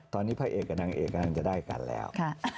ตอนนี้พระเอกกับนางเอกกำลังจะได้กันแล้ว